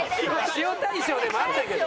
塩大将でもあったけど。